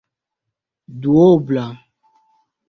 duobla